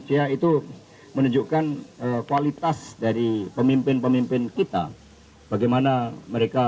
dia itu menunjukkan kualitas dari pemimpin pemimpin kita bagaimana mereka